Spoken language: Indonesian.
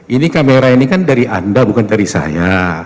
ini kamera ini kan dari anda bukan dari saya